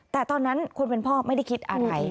แต่ตอนนั้นคนเป็นพ่อไม่ได้คิดอะไร